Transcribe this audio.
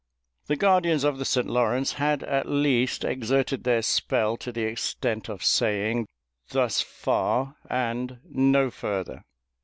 The guardians of the St. Lawrence had at least exerted their spell to the extent of saying, Thus far and no farther.